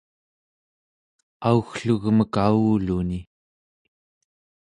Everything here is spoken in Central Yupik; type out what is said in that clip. augglugmek avuluni